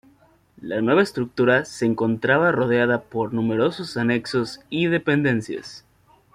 La nueva estructura se encontraba rodeada por numerosos anexos y dependencias.